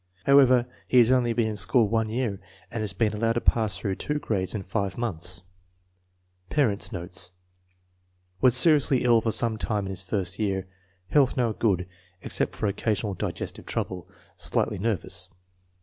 However, he has only been in school one year and has been allowed to pass through two grades in five months. Parents 9 notes. Was seriously ill for some time in his first year. Health now good, except for occasional digestive trouble. Slightly nervous.